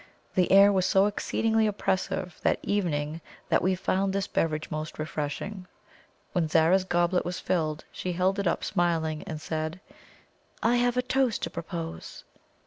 The air was so exceedingly oppressive that evening that we found this beverage most refreshing. When Zara's goblet was filled, she held it up smiling, and said: "I have a toast to propose."